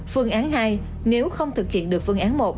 phương án hai nếu không thực hiện được phương án một